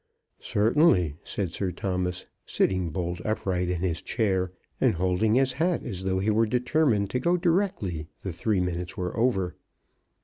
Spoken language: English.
"Certainly," said Sir Thomas, sitting bolt upright in his chair, and holding his hat as though he were determined to go directly the three minutes were over.